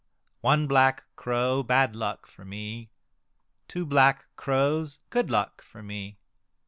ONE black crow, bad luck for me. Two black crows, good luck for me.